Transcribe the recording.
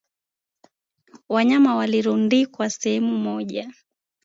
Wanyama walirundikwa sehemu moja